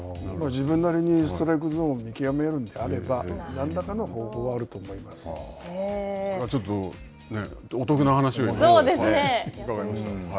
自分なりにストライクゾーンを見極めるのであれば、何らかの方法ちょっとお得な話を伺いました。